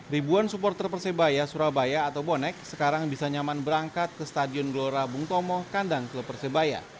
ribuan supporter persebaya surabaya atau bonek sekarang bisa nyaman berangkat ke stadion gelora bung tomo kandang klub persebaya